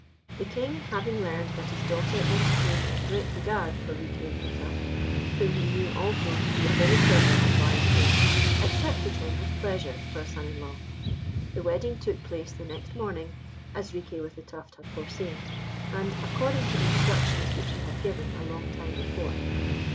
The King, having learned that his daughter entertained a great regard for Riquet with the Tuft, whom he knew also to be a very clever and wise prince, accepted him with pleasure for a son in law. The wedding took place the next morning, as Riquet with the Tuft had foreseen, and, according to the instructions which he had given a long time before.